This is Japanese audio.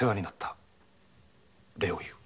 礼を言う。